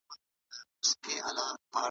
په پښتو کي متلونه د ژوند لویه تجربه ده